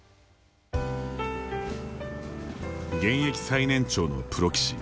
現役最年長のプロ棋士